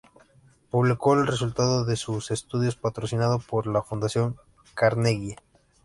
Publicó el resultado de sus estudios patrocinado por la Fundación Carnegie.